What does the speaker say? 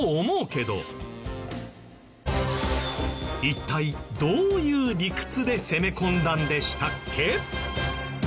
一体どういう理屈で攻め込んだんでしたっけ？